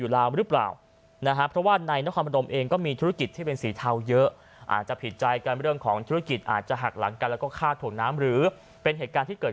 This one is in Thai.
แล้วก็ลีภัยไปอยู่ราวหรือเปล่านะครับ